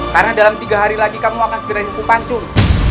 karena dalam tiga hari lagi kamu akan segera hukum pancur